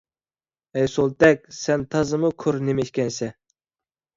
ھەي سولتەك، سەن تازىمۇ كور نېمە ئىكەنسەن!